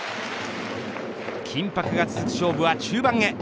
緊迫が続く勝負は中盤へ。